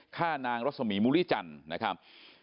ฆ่านางรสมีมุริจันทร์นะครับ